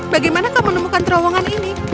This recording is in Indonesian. bagaimana kamu menemukan terowongan ini